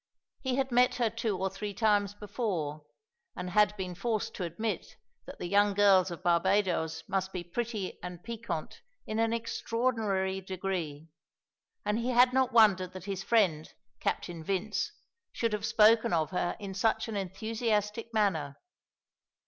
He had met her two or three times before, and had been forced to admit that the young girls of Barbadoes must be pretty and piquant in an extraordinary degree, and he had not wondered that his friend, Captain Vince, should have spoken of her in such an enthusiastic manner.